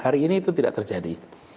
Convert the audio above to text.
hari ini itu tidak terjadi